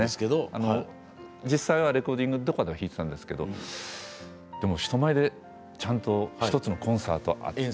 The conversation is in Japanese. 実際にレコーディングとかでは弾いていたんですけど人前でちゃんと１つのコンサート